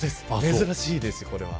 珍しいです、これは。